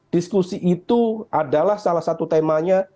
diskusi itu adalah salah satu temanya